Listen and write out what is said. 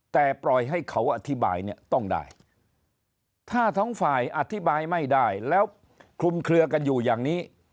แต่ปล่อยให้เขาอธิบายเนี่ยต้องได้ถ้าทั้งฝ่ายอธิบายไม่ได้แล้วคลุมเคลือกันอยู่อย่างนี้